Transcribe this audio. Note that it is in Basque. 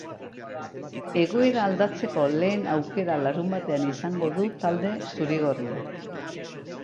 Egoera aldatzeko lehen aukera larunbatean izango du talde zuri-gorriak.